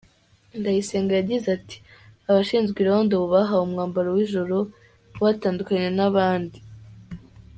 Ndayisenga yagize ati “Abashinzwe irondo, ubu bahawe umwambaro w’ijoro ubatandukanya n’abandi .